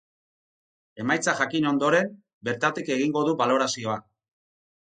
Emaitza jakin ondoren, bertatik egingo du balorazioa.